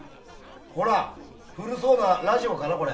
古そうなラジオかな、これ。